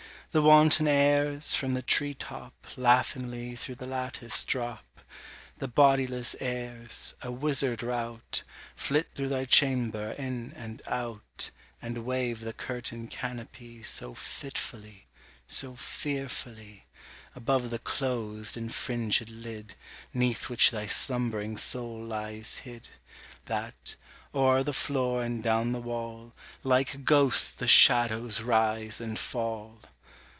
The wanton airs, from the tree top, Laughingly through the lattice drop The bodiless airs, a wizard rout, Flit through thy chamber in and out, And wave the curtain canopy So fitfully so fearfully Above the closed and fringèd lid "Neath which thy slumb'ring soul lies hid, That, o'er the floor and down the wall, Like ghosts the shadows rise and fall!